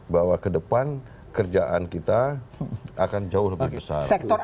bahwa kedepan kerjaan kita akan jauh lebih besar